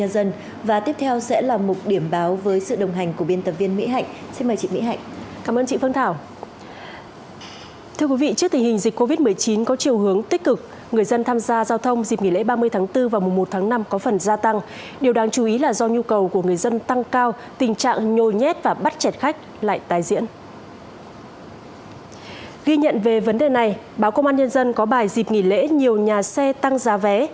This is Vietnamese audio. ghi nhận về vấn đề này báo công an nhân dân có bài dịp nghỉ lễ nhiều nhà xe tăng giá vé